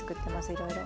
いろいろ。